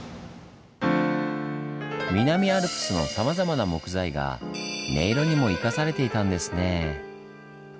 南アルプスのさまざまな木材が音色にも生かされていたんですねぇ。